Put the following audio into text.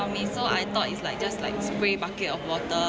มีบันดาลใกล้ในภาพและบริการออตเตอร์